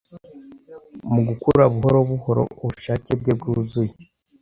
Mu gukura buhoro buhoro ubushake bwe-bwuzuye